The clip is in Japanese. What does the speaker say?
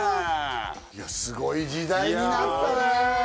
いやすごい時代になったね。